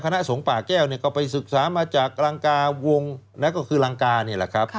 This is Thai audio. คณะสงฆ์ป่าแก้วเนี่ยก็ไปศึกษามาจากรังกาวงก็คือรังกานี่แหละครับ